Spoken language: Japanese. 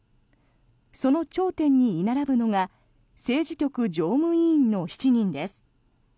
その頂点に居並ぶのが政治局常務委員の７人です。